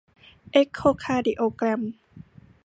เอ็คโคคาร์ดิโอแกรม